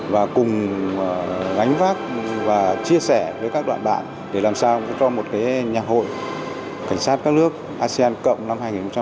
và cùng gánh vác và chia sẻ với các bạn bạn để làm sao cho một nhà hội cảnh sát các nước asean cộng năm hai nghìn hai mươi